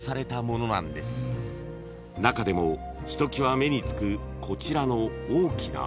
［中でもひときわ目につくこちらの大きな灯籠］